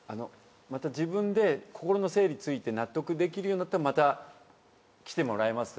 自分で心の整理ついて納得できるようになったらまた来てもらえます？